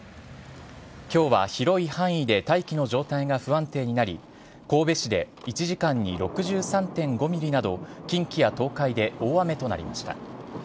きょうは広い範囲で大気の状態が不安定になり、神戸市で１時間に６３．５ミリなど、近畿や東海で大雨となりました。